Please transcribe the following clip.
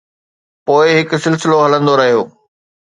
پوءِ هڪ سلسلو هلندو رهيو.